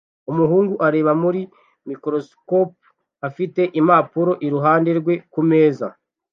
Umuhungu areba muri microscope afite impapuro iruhande rwe kumeza